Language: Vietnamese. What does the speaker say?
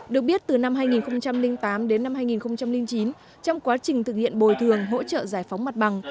được biết từ năm hai nghìn tám đến năm hai nghìn chín trong quá trình thực hiện bồi thường hỗ trợ giải phóng mặt bằng